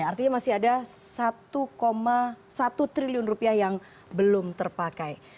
artinya masih ada satu satu triliun rupiah yang belum terpakai